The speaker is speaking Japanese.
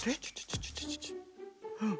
うん。